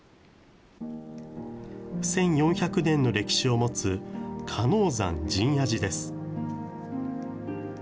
１４００年の歴史を持つ、鹿野山神野寺です。